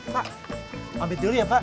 pak update dulu ya pak